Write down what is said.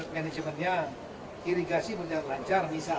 managemenya irigasi berjalan lancar misalnya